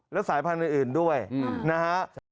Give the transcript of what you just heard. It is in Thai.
และสายพันธุ์อื่นด้วยนะฮะ